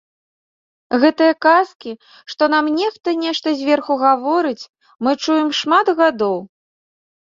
Гэтыя казкі, што нам нехта нешта зверху гаворыць, мы чуем шмат гадоў.